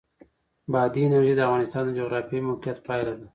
بادي انرژي د افغانستان د جغرافیایي موقیعت پایله ده.